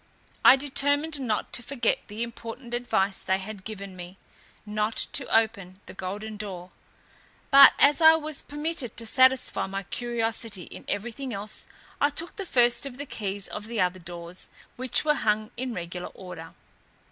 I determined not to forget the important advice they had given me, not to open the golden door; but as I was permitted to satisfy my curiosity in everything else, I took the first of the keys of the other doors, which were hung in regular order.